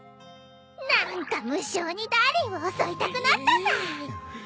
何か無性にダーリンを襲いたくなったさ！